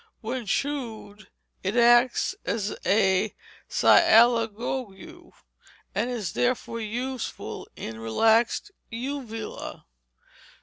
When chewed, it acts as a sialogogue, and is therefore useful in relaxed uvula.